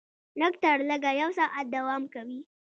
لږ تر لږه یو ساعت دوام کوي.